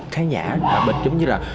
khán giả bịt giống như là